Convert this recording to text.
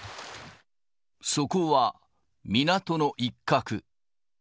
そこは港の一角。